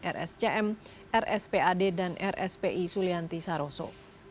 rscm rspad dan rspi sulianti saroso